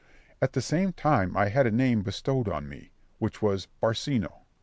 At the same time I had a name bestowed on me, which was Barcino.